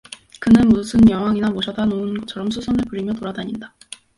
그는 무슨 여왕이나 모셔다 놓은 것처럼 수선을 부리며 돌아다닌다.